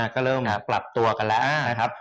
ก็เริ่มกลับตัวกันแล้ว